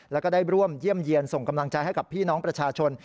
แล้วก็ได้ร่วมเยี่ยมเยี่ยนส่งกำลังใจให้กับพี่น้องประชาชน